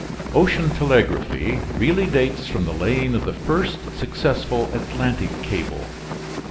Ocean telegraphy really dates from the laying of the first successful Atlantic cable.